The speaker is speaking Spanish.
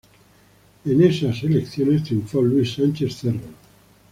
En esas elecciones triunfó Luis Sánchez Cerro.